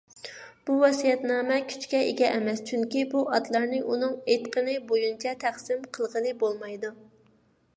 بۇ ۋەسىيەتنامە كۈچكە ئىگە ئەمەس، چۈنكى بۇ ئاتلارنى ئۇنىڭ ئېيتىقىنى بويىچە تەقسىم قىلغىلى بولمايدۇ.